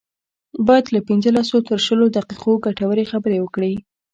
بايد له پنځلسو تر شلو دقيقو ګټورې خبرې وکړي.